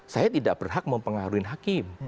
saya tidak berhak mempengaruhi hakim